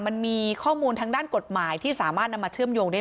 มันมีข้อมูลทางด้านกฎหมายที่สามารถนำมาเชื่อมโยงได้